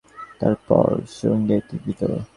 তারপর সুড়ঙ্গের ভিতর।